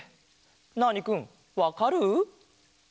ナーニくんわかる？